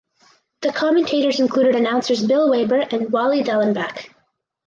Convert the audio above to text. The commentators included announcers Bill Weber and Wally Dallenbach.